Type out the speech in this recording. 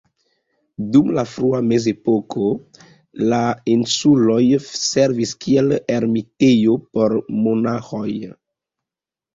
Dum la frua mezepoko la insuloj servis kiel ermitejo por monaĥoj.